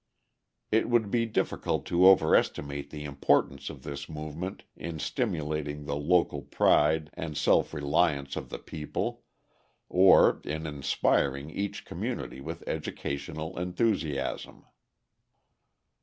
It would be difficult to overestimate the importance of this movement in stimulating the local pride and self reliance of the people, or in inspiring each community with educational enthusiasm.